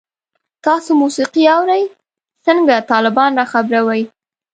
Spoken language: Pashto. تاسو موسیقی اورئ؟ څنګه، طالبان را خبروئ